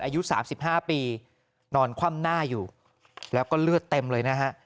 อายุ๓๕ปีนอนคว่ำหน้าอยู่แล้วก็เลือดเต็มเลยนะฮะ